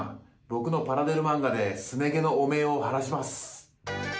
僕のパラデル漫画ですね毛の汚名を晴らします。